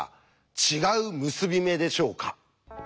違う結び目でしょうか？